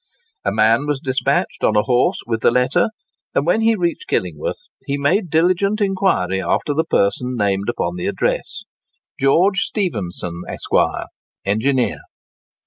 A man was despatched on a horse with the letter, and when he reached Killingworth he made diligent enquiry after the person named upon the address, "George Stephenson, Esquire, Engineer."